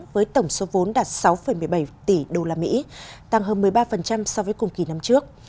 với tổng số vốn đạt sáu một mươi bảy tỷ usd tăng hơn một mươi ba so với cùng kỳ năm trước